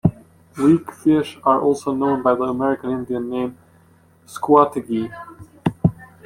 Weakfish are also known by the American Indian name Squeteague.